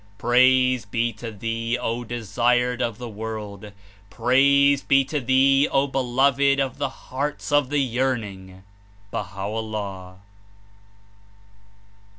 Praise be to Thee, O Desired of the world! Praise be to Thee, O be loved of the hearts of the yearning!" (Baha'o'llah.)